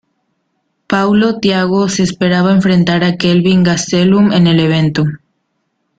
Paulo Thiago se esperaba enfrentar a Kelvin Gastelum en el evento.